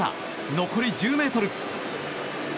残り１０ｍ。